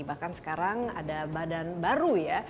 bahkan sekarang ada badan baru ya